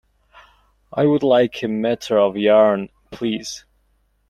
I would like a meter of Yarn, please.